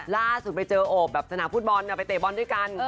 ล่าสุดไปเจอโอบแบบสนามฟุตบอลไปเตะบอลด้วยกัน